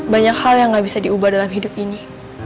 banyak hal yang gak bisa diubah dalam hidup ini